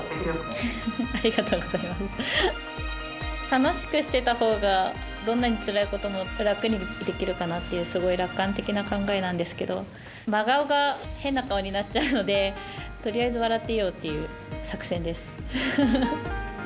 楽しくしていたほうがどんなにつらいことも楽にできるかなっていうすごい楽観的な考えなんですけど真顔が変な顔になっちゃうのでとりあえず笑っていようという作戦です。